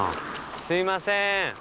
すみません！